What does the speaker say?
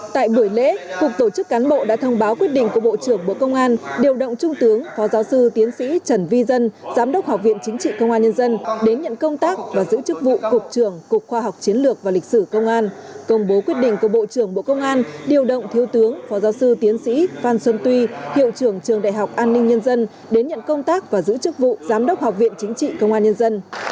tại buổi lễ cục tổ chức cán bộ đã thông báo quyết định của bộ trưởng bộ công an điều động trung tướng phó giáo sư tiến sĩ trần vi dân giám đốc học viện chính trị công an nhân dân đến nhận công tác và giữ chức vụ cục trưởng cục khoa học chiến lược và lịch sử công an công bố quyết định của bộ trưởng bộ công an điều động thiếu tướng phó giáo sư tiến sĩ phan xuân tuy hiệu trưởng trường đại học an ninh nhân dân đến nhận công tác và giữ chức vụ giám đốc học viện chính trị công an nhân dân